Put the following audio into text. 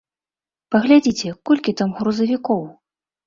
Паглядзіце, колькі там грузавікоў!